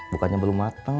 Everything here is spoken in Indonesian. bukannya belum matang